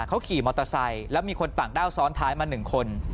เขาขี่มอเตอร์ไซค์แล้วมีคนต่างด้าวซ้อนท้ายมา๑คน